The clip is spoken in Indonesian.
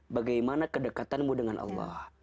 bagaimana kedekatanmu dengan allah